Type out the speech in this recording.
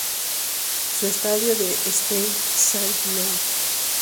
Su estadio es Stade Saint-Louis.